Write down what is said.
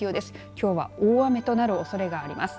きょうは大雨となるおそれがあります。